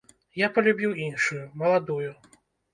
Я палюбіў іншую, маладую.